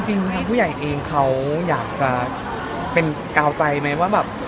จริงทางผู้ใหญ่เองเขาอยากจะเป็นกาวใจไหมว่าแบบ